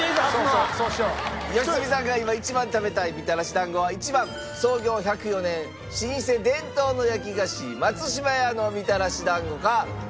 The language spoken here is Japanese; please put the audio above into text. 良純さんが今一番食べたいみたらし団子は１番創業１０４年老舗伝統の焼き菓子松島屋のみたらし団子か。